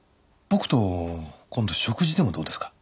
僕と今度食事でもどうですか？